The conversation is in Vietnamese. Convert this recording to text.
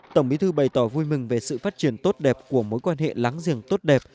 tổng bí thư bày tỏ vui mừng về sự phát triển tốt đẹp của mối quan hệ láng giềng tốt đẹp